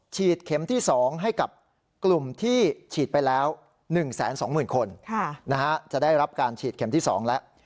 เข็มที่๒ให้กับกลุ่มที่ฉีดไปแล้ว๑๒๐๐๐คนจะได้รับการฉีดเข็มที่๒แล้ว